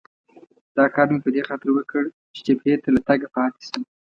دا کار مې په دې خاطر وکړ چې جبهې ته له تګه پاتې شم.